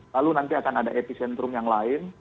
lalu nanti akan ada epicentrum yang lain